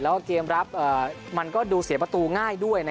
แล้วก็เกมรับดูเสียประตูง่ายด้วย